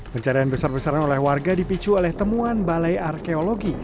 pencarian besar besaran oleh warga dipicu oleh temuan balai arkeologi